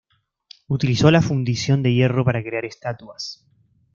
Utilizó la fundición de hierro para crear estatuas.